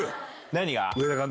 何が？